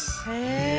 へえ。